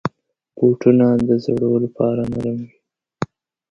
بوټونه د زړو لپاره نرم وي.